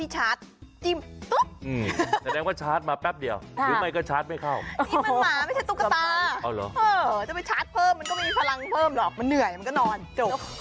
จะไปชาร์จเพิ่มมันก็มีพลังเพิ่มหรอกมันเหนื่อยมันก็นอนจบ